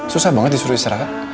susah banget disuruh istirahat